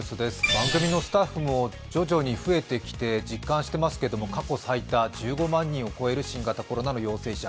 番組のスタッフも徐々に増えてきて実感していますけれども過去最多、１５万人を超える新型コロナの陽性者。